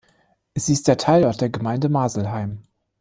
Sie ist der Teilort der Gemeinde Maselheim.